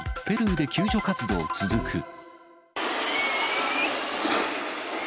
ペルーで救助活動続く。